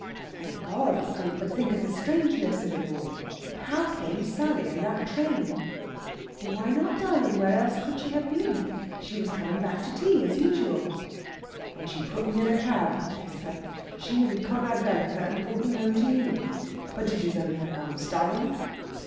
"Thank God it did! But think of the strangeness of it all! How came Sally in that train?" "Why not, darling? Where else could she have been? She was coming back to tea, as usual." "And she put me in a cab bless her! she and Conrad Vereker and brought me home to you. But did you know me at once, darling?"